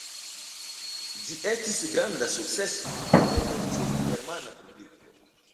Ĝi estis granda sukceso, ne nur ĉe germana publiko.